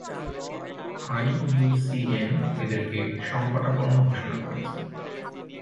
IUCN এদেরকে সংকটাপন্ন ঘোষণা করেছে।